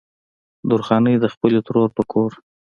درخانۍ د خپلې ترور په کور